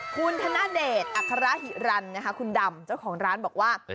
คุณธนเดชอัครหิรันนะคะคุณดำเจ้าของร้านบอกว่า